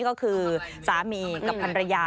ก็คือสามีกับพันรยา